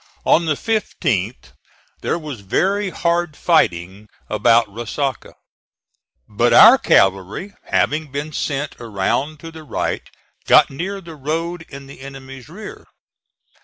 On the 15th there was very hard fighting about Resaca; but our cavalry having been sent around to the right got near the road in the enemy's rear.